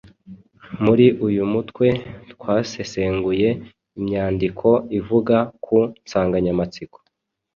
Muri uyu mutwe twasesenguye imyandiko ivuga ku nsanganyamatsiko